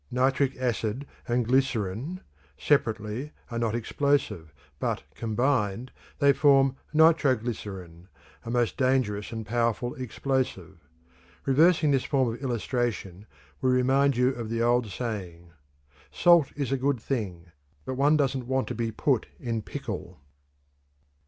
Nitric acid and glycerin, separately, are not explosive, but, combined, they form nitro glycerin, a most dangerous and powerful explosive. Reversing this form of illustration, we remind you of the old saying: "Salt is a good thing; but one doesn't want to be put in pickle."